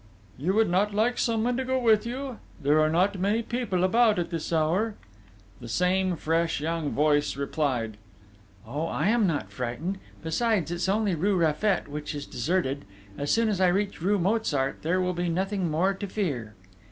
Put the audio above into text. "You would not like someone to go with you? There are not many people about at this hour...." The same fresh, young voice replied: "Oh, I am not frightened ... besides it's only rue Raffet which is deserted; as soon as I reach rue Mozart there will be nothing more to fear!"